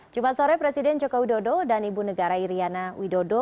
jumat sore presiden joko widodo dan ibu negara iryana widodo